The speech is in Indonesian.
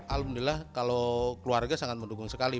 alhamdulillah kalau keluarga sangat mendukung sekali